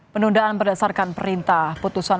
penundaan berdasarkan perintah putusan